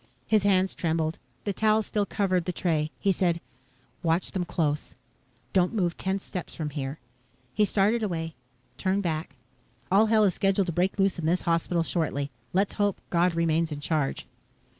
His hands trembled. The towel still covered the tray. He said, "Watch them close. Don't move ten steps from here." He started away turned back. "All hell is scheduled to break loose in this hospital shortly. Let's hope God remains in charge."